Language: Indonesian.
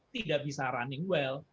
tidak bisa running well